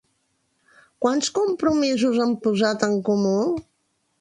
Quants compromisos han posat en comú?